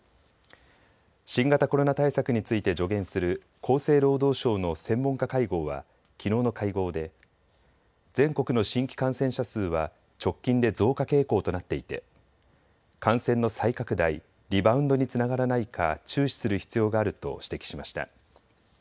新型コロナ対策について助言する厚生労働省の専門家会合はきのうの会合で全国の新規感染者数は直近で増加傾向となっていて感染の再拡大、リバウンドにつながらないか注視する必要があると指摘しました。